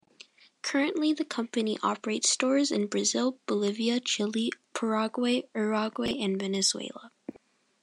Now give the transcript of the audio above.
Currently the company operates stores in Brazil, Bolivia, Chile, Paraguay, Uruguay and Venezuela.